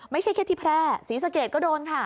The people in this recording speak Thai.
ไม่ใช่แค่ที่แพร่ศรีสะเกดก็โดนค่ะ